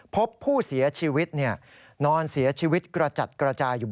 พบผู้เสียชีวิตนอนเสียชีวิตกระจัดกระจายอยู่